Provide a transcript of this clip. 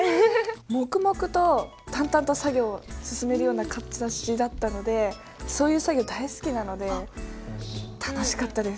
黙々と淡々と作業を進めるような形だったのでそういう作業大好きなので楽しかったです。